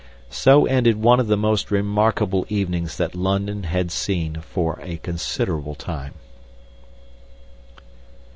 So ended one of the most remarkable evenings that London has seen for a considerable time."